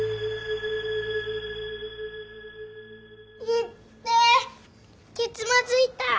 いってぇ蹴つまずいた。